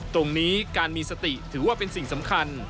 ตรงนี้การมีสติถือว่าเป็นสิ่งสำคัญ